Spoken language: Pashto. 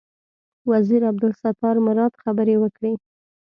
وزیر عبدالستار مراد خبرې وکړې.